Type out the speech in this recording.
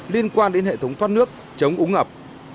liên quan đến hệ thống thoát nước chống úng ngập